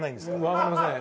わかりません。